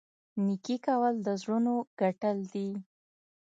نیکي کول د زړونو ګټل دي.